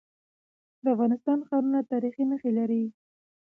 د افغانستان ښارونه تاریخي نښي لري.